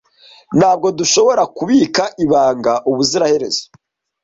Ntabwo dushobora kubika ibanga ubuziraherezo.